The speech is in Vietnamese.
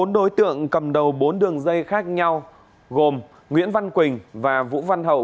bốn đối tượng cầm đầu bốn đường dây khác nhau gồm nguyễn văn quỳnh và vũ văn hậu